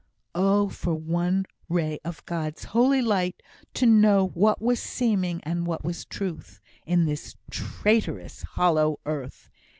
Oh! for one ray of God's holy light to know what was seeming, and what was truth, in this traitorous hollow earth!